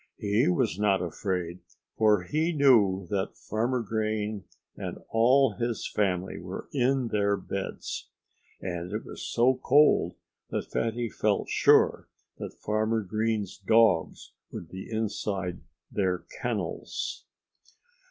He was not afraid, for he knew that Farmer Green and all his family were in their beds. And it was so cold that Fatty felt sure that Farmer Green's dogs would be inside their kennels.